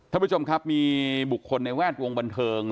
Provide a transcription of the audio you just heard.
ท่านผู้ชมครับมีบุคคลในแวดวงบันเทิง